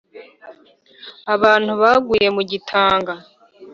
Abantu baguye mu Gitanga,